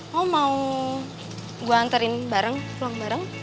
mau mau gue anterin bareng pulang bareng